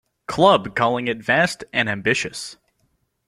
Club" calling it "vast and ambitious".